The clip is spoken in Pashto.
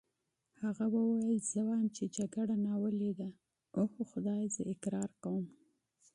هغه وویل: زه وایم چې جګړه ناولې ده، اوه خدایه زه اقرار کوم.